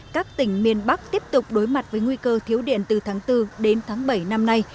các tỉnh miền bắc tiếp tục đối mặt với nguy cơ thiếu điện từ tháng bốn đến tháng bảy năm nay